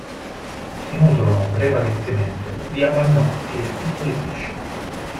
Si nutrono prevalentemente di avannotti e piccoli pesci.